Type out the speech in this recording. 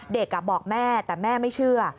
เด็กบอกแม่แต่แม่ไม่เชื่อ